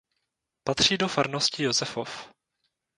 Patří do farnosti Josefov.